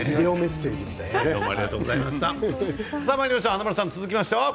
華丸さん、続きましては。